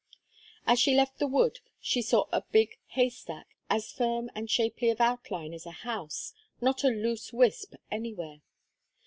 As she left the wood she saw a big hay stack, as firm and shapely of outline as a house, not a loose wisp anywhere.